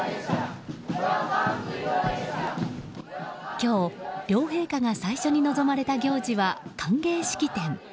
今日、両陛下が最初に臨まれた行事は歓迎式典。